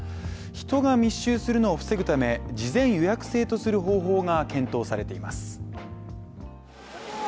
人が密集するのを防ぐため事前予約制とする方法が検討されています。